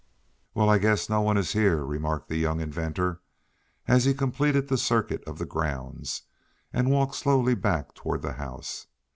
"Well, I guess no one is here," remarked the young inventor as he completed the circuit of the grounds and walked slowly back toward the house.